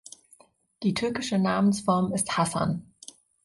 Die türkische Namensform ist Hasan.